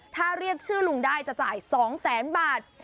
ถ้าเรียกชื่อลุงได้จะจ่าย๒แสนบาท